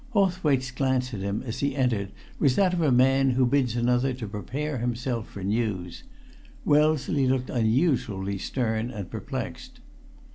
Hawthwaite's glance at him as he entered was that of a man who bids another to prepare himself for news; Wellesley looked unusually stern and perplexed.